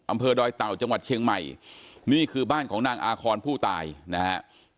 ดอยเต่าจังหวัดเชียงใหม่นี่คือบ้านของนางอาคอนผู้ตายนะฮะ